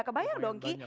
kebayang dong ki